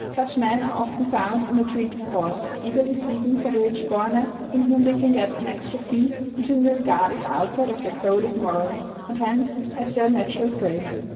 Such men are often found in the treaty ports, eagerly seeking for the rich foreigner, from whom they can get an extra fee, and whom they regard as outside of their code of morals, and hence as their natural prey.